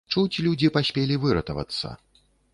Чуць людзі паспелі выратавацца.